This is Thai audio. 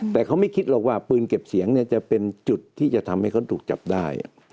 แต่เขาไม่คิดหรอกว่าปืนเก็บเสียงจะเป็นจุดที่จะทำให้เขาถูกจับได้